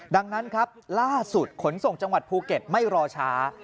ดังนั้นครับล่าสุดขนส่งจังหวัดภูเก็ตไม่รอช้า